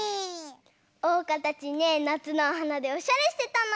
おうかたちねなつのおはなでおしゃれしてたの！